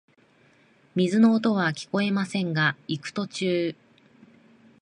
水の音はきこえませんが、行く途中、